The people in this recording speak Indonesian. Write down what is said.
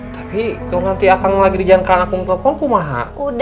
tapi kalau nanti akang lagi di jalan kang akung ke pongkumaha